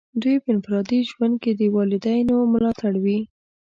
دوی په انفرادي ژوند کې د والدینو ملاتړ وي.